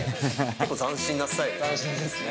結構、斬新なスタイルですね。